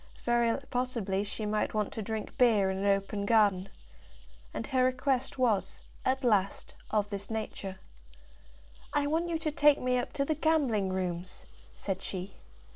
Very possibly she might want to drink beer in an open garden. And her request was, at last, of this nature: "I want you to take me up to the gambling rooms!" said she.